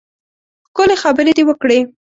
ښکلې خبرې دې وکړې.